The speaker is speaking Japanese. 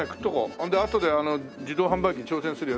それであとで自動販売機に挑戦するよ。